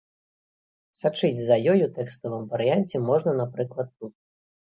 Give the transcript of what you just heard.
Сачыць за ёй у тэкставым варыянце можна, напрыклад, тут.